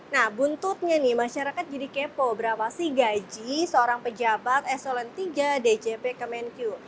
nah buntutnya nih masyarakat jadi kepo berapa sih gaji seorang pejabat s o l n tiga d j p kemenku